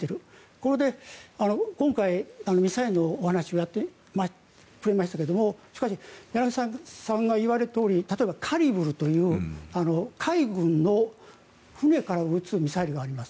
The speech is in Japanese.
これで今回、ミサイルのお話をやってくれましたけどしかし柳澤さんが言われたとおり例えばカリブルという海軍の船から撃つミサイルがあります。